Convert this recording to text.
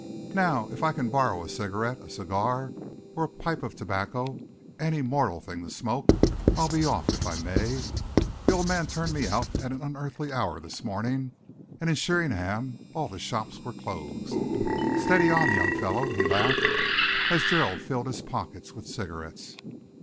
Now if I can borrow a cigarette, a cigar, or a pipe of tobacco any mortal thing to smoke I'll be off, if I may. The old man turned me out at an unearthly hour this morning, and in Sheringham all the shops were closed. Steady on, young fellow," he laughed, as Gerald filled his pockets with cigarettes.